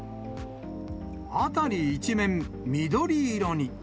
辺り一面、緑色に。